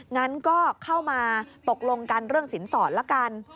งั้นก็เข้ามาตกลงกันเรื่องสินสอดละกัน